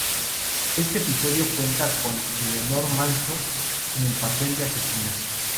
Este episodio cuenta con Leonor Manso, en el papel de asesina.